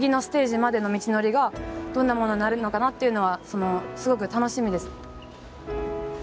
どんなものになるのかなっていうのはすごく楽しみです。